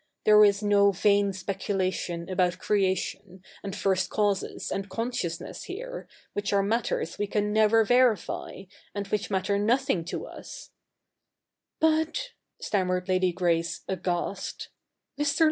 There is no vain speculation about creation, and first causes, and consciousness here, which are matters we can never verify, and which matter nothmg to us '' But,' stammered Lady Grace aghast, ' ]\Ir.